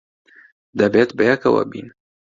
دەبێت بەیەکەوە بین.